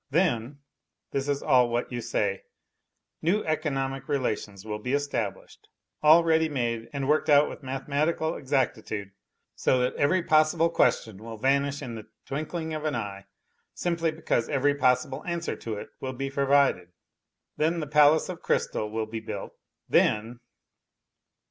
Then this is all what you say new economic relations will be established, all ready made and worked out with mathematical exactitude, so that every possible question will vanish in the twinkling of an eye, simply because every possible answer to it will be provided. Then the " Palace of Crystal" will be built. Then